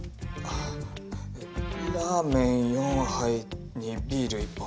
ラーメン４杯にビール１本。